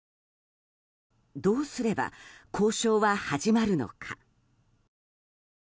どうすれば交渉は始まるのか。